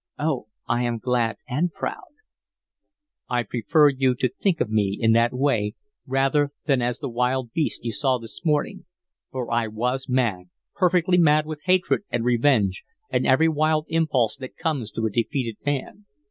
Oh, I am glad and proud." "I prefer you to think of me in that way, rather than as the wild beast you saw this morning, for I was mad, perfectly mad with hatred and revenge, and every wild impulse that comes to a defeated man.